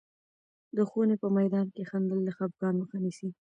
د ښوونې په میدان کې خندل، د خفګان مخه نیسي.